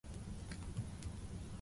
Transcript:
ただ、僕が答える前にねえと君は言った